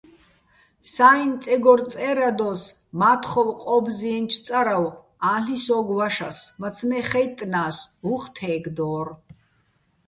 საჲიჼ წეგორ წე́რადოს მა́თხოვ ყო́ბზჲიენჩო̆ წარავ - ა́ლ'იჼ სო́გო̆ ვაშას, მაცმე́ ხაჲტტნა́ს, უ̂ხ თე́გდო́რ.